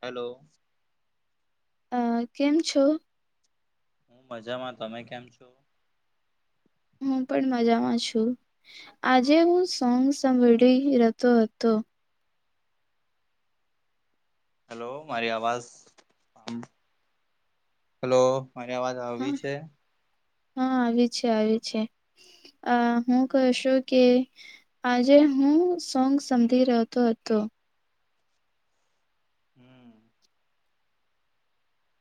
Hello. અહ કેમ છો? હૂં મજામાં. તમે કેમ છો? હું પણ મજામાં છું. આજે હું સોંગ સાંભળી રહેતો હતો. હેલો મારી આવાઝ [unintelligible] હલો. મારી આવાજ હા આવી છે? હા, આવી છે, આવી છે, અહ હું કહું સું કે આજે હું સોંગ સાંભળી રેહતો હતો. હમ્મ.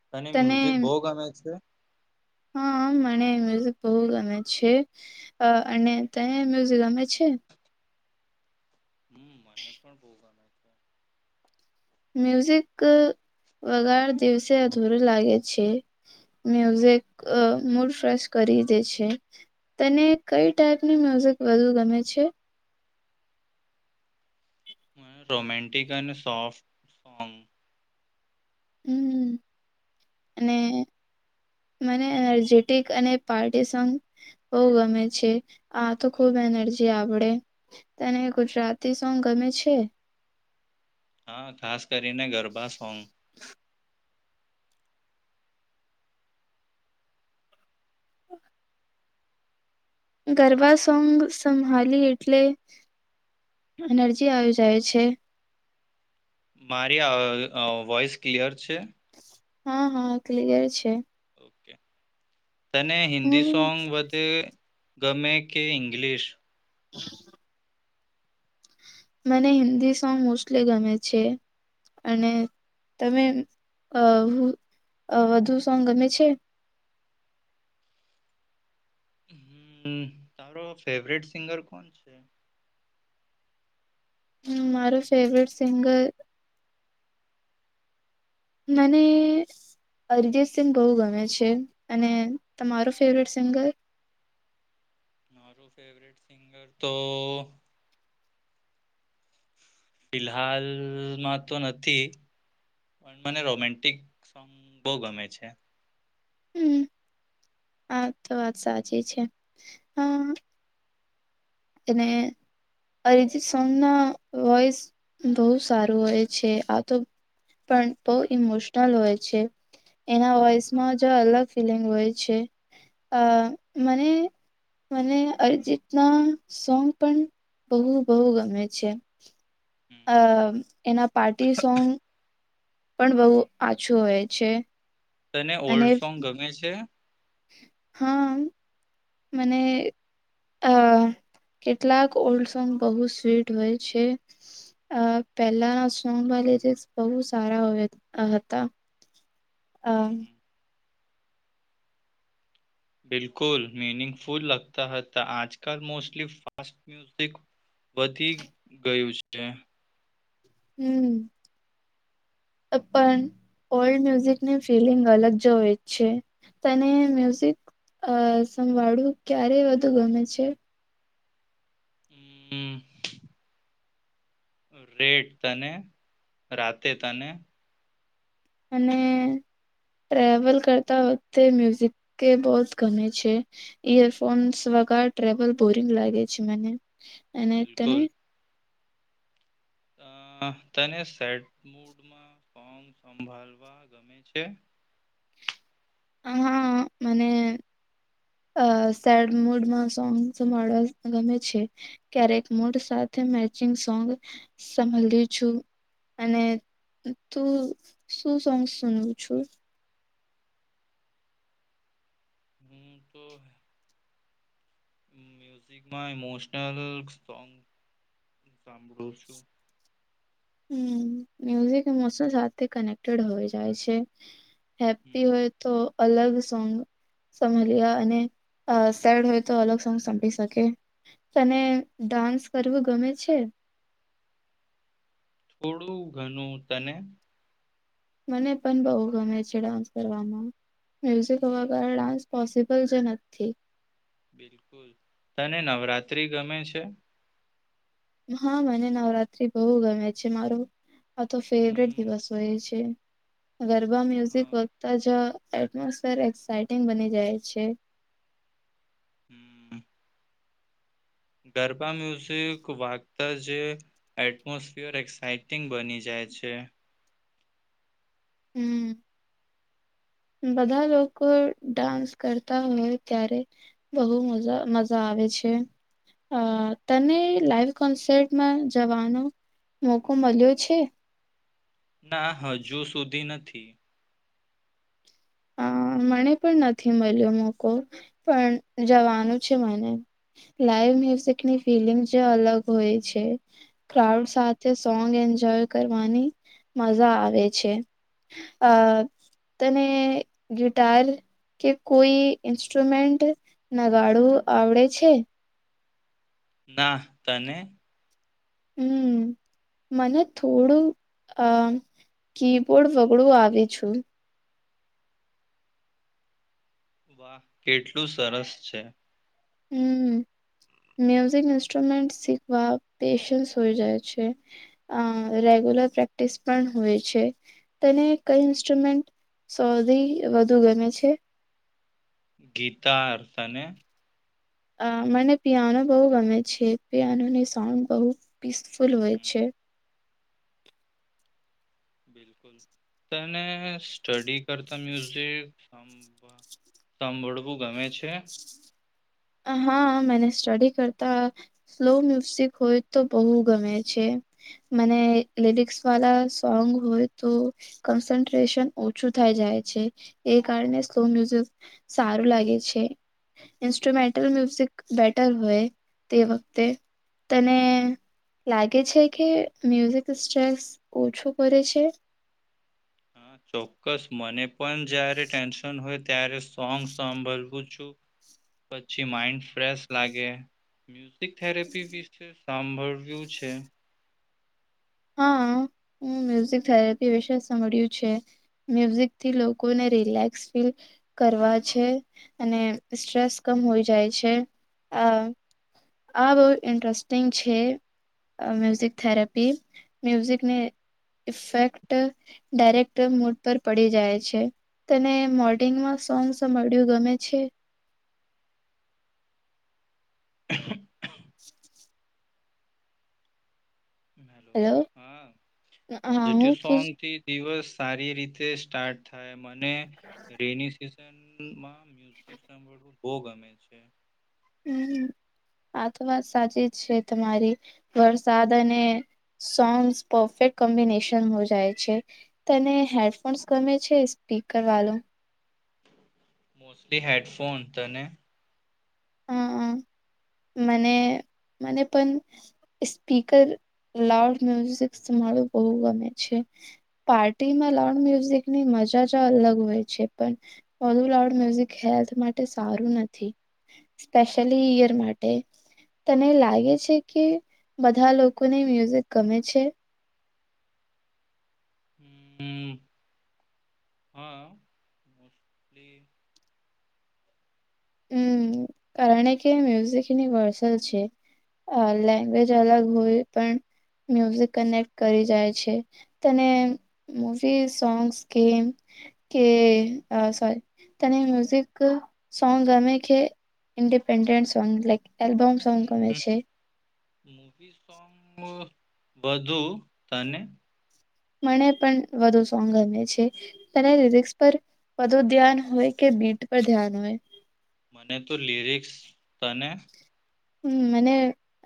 તને મ્યુઝિક બહું ગમે છે? હા, મને મ્યુઝિક બહુ ગમે છે અને તને મ્યુઝિક ગમે છે? હમ્મ, મને પણ બો ગમે છે. મ્યુઝિક વગાર દિવસે અધૂરું લાગે છે. મ્યુઝિક મૂડ ફ્રેશ કરી દે છે. તને કઈ ટાઈપની મ્યુઝિક વધુ ગમે છે? મને રોમેન્ટિક અને સોફ્ટ સોંગ. હમ્મ અને મને એનર્જેટિક અને પાર્ટી સોંગ બો ગમે છે, આતો ખુબ એનર્જી આવડે. તને ગુજરાતી સોંગ ગમે છે? હા ખાસ કરીને ગરબા સોંગ. ગરબા સોંગ સંભાલી એટલે એનર્જી આવી જાય છે. મારી અહ અહ વોઈસ ક્લિયર છે. હા, હા, ક્લિયર છે. ઓકે. તને હિન્દી હમ્મ સોંગ વધે ગમે કે ઇંગ્લિંશ? મને હિન્દી સોંગ મોસ્ટલી ગમે છે અને તમે અહ અહ વધુ સોંગ ગમે છે? હમ્મ તારો ફેવરિટ સિંગર કોણ છે? મારો ફેવરિટ સિંગર મને અરિજીતસિંગ બહુ ગમે છે અને તમારો ફેવરિટ સિંગર? મારો ફેવરેટ સિંગર તો ફિલહાલમાં તો નથી પણ મને રોમેન્ટિક સોંગ બહું ગમે છે. હમ્મ આ તો વાત સાચી છે અહ. અને અરિજીત સોંગના વોઇસ બહુ સારું હોય છે આ તો પણ બહુ હમ ઇમોશનલ હોય. છે એના વોઈસમાં જ અલગ ફિલિંગ હોય છે, અહ મને મને અરિજીતના સોંગ પણ બહું બહું ગમે છે. હમ અ એના પાર્ટી સોંગ. પણ બહુ આછું હોય છે. તને અને ઓલ્ડ સોંગ ગમે છે હા મને આ કેટલાક ઓલ્ડ સોંગ બહુ સ્વીટ હોય છે, પહેલાના સોંગમાં બહુ સારા હતા આ હમ બિલકુલ મિનિંગફુલ લગતા હતા આજકાલ મોસ્ટલી ફાસ્ટ મ્યુઝિક વધી ગયું છે. હુ પણ ઓલ્ડ મ્યુઝિકની ફિલિંગ અલગ જ હોઈ છે તને મ્યુઝિક સંભાળવું ક્યારે વધુ ગમે છે. હુ રેટ તને રાતે તને અને ટ્રેવલ કરતા વખતે મ્યુઝિક એ બહ ગમે છે ઈયરફોન્સ વગર ટ્રેવલ બોરિંગ લાગે છે મને અને તને બિલકુલ તને સેડ [unintelligible] હા મને સેડ મૂડમાં સોંગવા સંભાળવું ગમે છે ક્યારેક મુડ સાથે મેચિંગ સોંગ સંભળ્યું છું અને તું શું સોંગ સુનું છું હુ તો મ્યુઝિકમાં ઇમોશનલ સોંગ સાંભળું છું હુ મ્યુઝિક મોસમ સાથે કનેક્ટેડ હોય જાય છે હેપી હમ હોય તો અલગ સોંગ સંભળ્યા અને સેડ હોય તો અલગ સોંગ સાભળી શકે તને ડાન્સ કરવું ગમે છે થોડું ઘણું તને મને પણ બઉ ગમે છે ડાન્સ કરવામાં મ્યુઝિક હમ હોવા વગર ડાન્સ પોસિબલ જ નથી બિલકુલ તને નવરાત્રી ગમે છે હા મને નવરાત્રી બહુ ગમે છે મારું આ તો ફેવરેટ હમ દિવસ હોય છે ગરબા મ્યુઝિક હા વધતા જ એટમોસ્ફેર એક્સઇટિંગ બની જાય છે હું [inaudible] ગરબા મ્યુઝિક વાગતા જે એટમોસફિયર એક્સાઇટિંગ બની જાય છે હુ બધા લોકો ડાન્સ કરતા હોય ત્યારે બહુ મજા આવે છે આ તને હમ. લાઈવ કોન્સટમાં જવાનો મોકો મળ્યો છે ના હજુ સુધી નથી અ મને પણ નથી મળ્યો મોકો પણ જવાનું છે મને લાઈવ મ્યુઝિકની ફિલિંગ જે અલગ હોય છે ક્રાઉડ હમ. સાથે સોંગ એન્જોય કરવાની મજા આવે છે અ તને ગિટાર કે કોઈ ઇન્સ્ટ્રુમેન્ટ નગાડું આવડે છે ના તને હુ મને થોડું અ કીબોર્ડ વગડું આવે છું વાહ કેટલું સરસ છે હું મ્યુઝિક ઇન્સ્ટ્રુમેન્ટ શીખવા પેશન્સ હોય જાય છે અ રેગ્યુલર પ્રેક્ટિસ પણ હોય છે તને કઈ ઇન્સ્ટ્રુમેન્ટ સૌથી વધુ ગમે છે ગીટાર તને અ મને પિયાનો બહુ ગમે છે પિયાનો ની સોંગ બહુ ફૂલવેય હમ, છે બિલકુલ તને સ્ટડી કરતા મયુ [unintelligible] સાંભળવું ગમે છે હા મને સ્ટડી કરતા સ્લો મ્યુઝિક હોય તો બહુ ગમે છે. મને લેડીક્સ વાળા સોંગ હોય તો કન્સન્ટ્રેશન ઓછું થઈ જાય છે એ કારણે સ્લો મ્યુઝિક સારું લાગે છે. ઇન્સ્ટ્રુમેન્ટ મ્યુઝિક બેટર હોય તે વખતે તને લાગે છે કે મ્યુઝિક સ્ટ્રેસ ઓછો કરે છે? ચોક્કસ. મને પણ જયારે ટેન્શન હોય ત્યારે સોંગ સાંભળવું છું પછી માઇન્ડ ફ્રેશ લાગે. ફઝી થેરાપી છે. સાંભળ્યું છે. હા હું મ્યુઝિક થેરેપી વિશે સાભ્યું છે મ્યુઝિક થી લોકોને રિલેક્સ ફીલ કરવા છે અને સ્ટ્રેસ કમ હોઈ જાય છે આ. આ બહુ ઇન્ટરેસ્ટિંગ છે. મ્યુઝિક થેરેપી મ્યુઝિકને ઇફેક્ટ ડાયરેક્ટ મૂડ પર પડી જાય છે. તને મોડિંગમાં સોંગ્સ સાંભળ્યું ગમે છે? હેલો હેલો હા હા પોઝિટિવ હું સોંગ પૂછ થી દિવસ સારી રીતે સ્ટાર્ટ મને રે ની સિઝન તેન માં મ્યુઝિક સાંભળવુ બહુ ગમે છે. હ આ તો વાત સાચી જ છે તમારી વરસાદ અને સોન્સ પરફેક્ટ કોમ્બિનેશનમાં હો જાય છે. તને હેડફોન્સ ગમે છે સ્પીકર વાલો? Mostly headphone. તને? હ મને મને પણ સ્પીકર લાઉડ મ્યુઝિકું સુનાવું બહુ ગમે છે. પાર્ટીમાં લાઉડ મ્યુઝિકની મજા જ અલગ હોય છે પણ બધુ લાઉડ મ્યુઝિક હેલ્થ માટે સારું નથી. સ્પેશયલી ઈયર માટે તને લાગે છે કે બધા લોકોને મ્યુઝિક ગમે છે? હમ એ હમ્મ કારણે કે મ્યુઝિકની વર્સલ છે. અહ લેંગ્વેજ અલગ હોય પણ મ્યુઝિક કનેક્ટ કરી જાય છે. તને મુવી સોંગસ ગેમ્સ કે અહ સોરી તને મ્યુઝિક સોંગ ગમે કે independent song like album song ગમે છે? મુવી સોંગ વધું. તને? મને પણ વધુ સોંગ ગમે છે. તને લિરિક્સ પર વધુ ધ્યાન હોય, કે બીટ પર ધ્યાન હોય? મને તો લિરિક્સ. તને? હમ્મ મને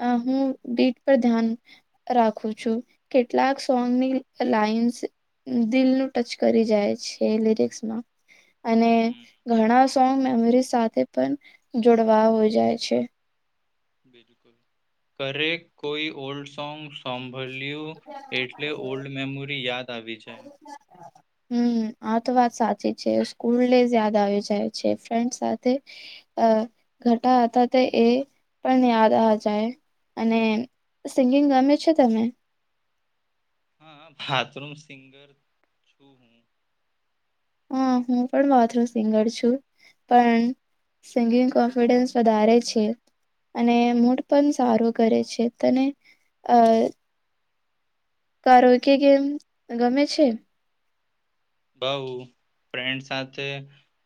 અહ હું બીટ પર ધ્યાન રાખું છું. કેટલાક સોંગની લાઈન્સ દિલ નું ટચ કરી જાય છે લીરીકસમાં. અને હમ ઘણા સોંગ મેમરી સાથે પણ જોડવા હો જાય છે. બિલકુલ કરે કોઈ ઓલ્ડ સોંગ સોંગ વલ્યુ એટલે ઓલ્ડ મેમોરી યાદ આવી જાય. હમ્મ આ તો વાત સાચી છે. સ્કૂલ ડેઝ યાદ આવી જાય છે. ફ્રેન્ડ સાથે અહ ઘટા હતા તે એ પણ યાદ આ જાય. અને સિંગિંગ ગમે છે તમે? હા, બાથરૂમ સિંગર છું હું. હા હું પણ બાથરૂમ સિંગર છું. પણ સિંગિંગ કોન્ફિડન્સ વધારે છે. અને મૂડ પણ સારું કરે છે, તને અહ કારો કે કેમ ગમે છે? બહું. ફ્રેન્ડ સાથે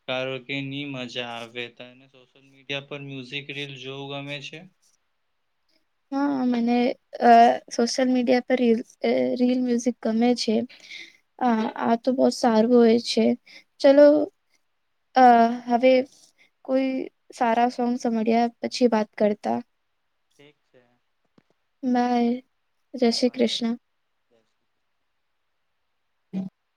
કારો કે ની મજા આવે. તને સોશિયલ મીડિયા પર મ્યુઝિક રીલ જોવું ગમે છે? હા મને અહ સોશિયલ મીડિયા પર રીલ અહ રીલ મ્યુઝિક ગમે છે. આ તો બહું સારું હોય છે ચલો અહ હવે કોઈ સારા સોંગ સંભળીયા પછી વાત કરતા. ઠીક છે. બાય. જય શ્રી બાય કૃષ્ણ. [inaudible] [inaudible]